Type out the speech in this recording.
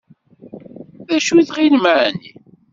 D acu i tɣilem εni?